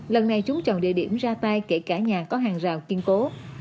lần này chúng chọn địa điểm ra tay kể cả nhà có hàng rào kiên cố